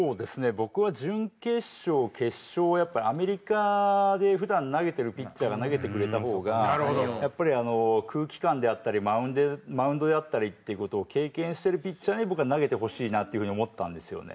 僕は準決勝決勝をアメリカで普段投げてるピッチャーが投げてくれた方がやっぱり空気感であったりマウンドであったりっていう事を経験してるピッチャーに僕は投げてほしいなっていうふうに思ったんですよね。